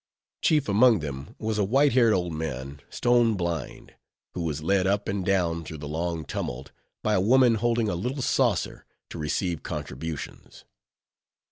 Chief among them was a white haired old man, stone blind; who was led up and down through the long tumult by a woman holding a little saucer to receive contributions.